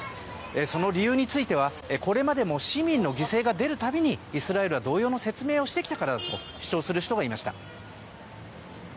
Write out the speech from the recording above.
その理由についは、これまでも市民の犠牲が出るたびにイスラエルは同様の説明をしてきたからだと主張する人もいました。